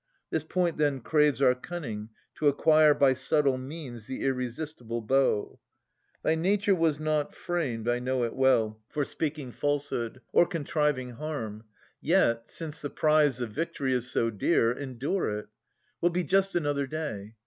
This point then craves our cunning, to acquire By subtle means the irresistible bow. — Thy nature was not framed, I know it well. 270 Philoctetes [80 no For speaking falsehood, or contriving harm. Yet, since the prize of victory is so dear. Endure it. — We'll be just another day.